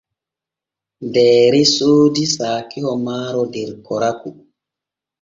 Deere soodi saakiho maaro der Koraku.